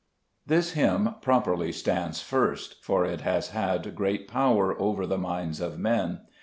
This hymn properly stands first, for it has had great power over the minds of men.